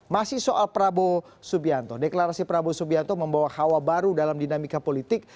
masih soal prabowo subianto deklarasi prabowo subianto membawa hawa baru dalam dinamika politik